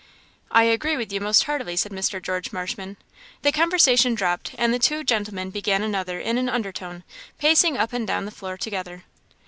"I agree with you most heartily," said Mr. George Marshman. The conversation dropped; and the two gentlemen began another in an undertone, pacing up and down the floor together.